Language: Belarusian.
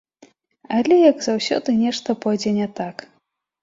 Але, як заўсёды, нешта пойдзе не так.